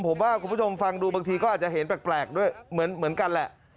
ผมว่าคุณผู้ชมฟังดูบางทีก็อาจจะเห็นแปลกด้วยเหมือนกันแหละ